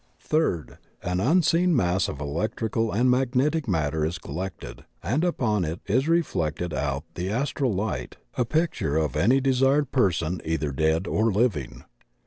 Third, an unseen mass of elec trical and magnetic matter is collected, and upon it is reflected out of the astral light a picture of any de sired person either dead or living.